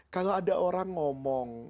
kalau ada orang ngomong